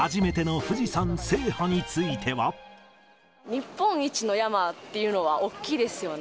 日本一の山っていうのは、大きいですよね。